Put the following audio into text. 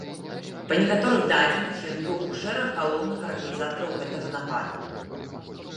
Па некаторых дадзеных, ён быў у шэрагах галоўных арганізатараў гэтага нападу.